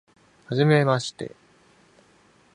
はじめまして